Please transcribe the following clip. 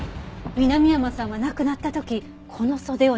南山さんは亡くなった時この袖を握っていた。